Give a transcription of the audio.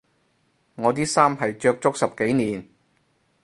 我啲衫係着足十幾年